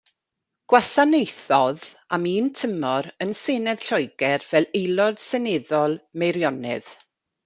Gwasanaethodd am un tymor yn Senedd Lloegr fel Aelod Seneddol Meirionnydd.